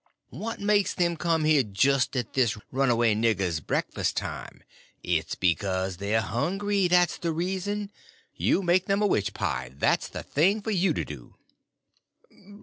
What makes them come here just at this runaway nigger's breakfast time? It's because they're hungry; that's the reason. You make them a witch pie; that's the thing for you to do."